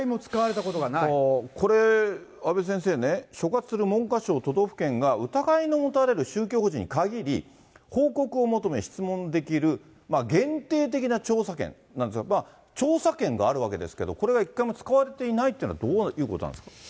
これ、阿部先生ね、所轄する文科省、都道府県が疑いの持たれる宗教法人にかぎり、報告を求め、質問できる、限定的な調査権なんですけど、調査権があるわけですけど、これは一回も使われていないというのはどういうことなんですか。